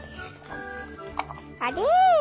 あれ？